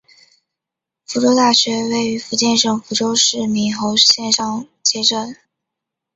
福州大学城位于福建省福州市闽侯县上街镇。